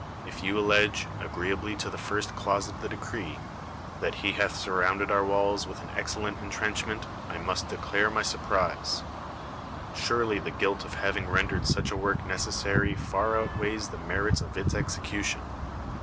If you allege, agreeably to the first clause of the decree, that he hath surrounded our walls with an excellent intrenchment, I must declare my surprise. Surely the guilt of having rendered such a work necessary far outweighs the merits of its execution.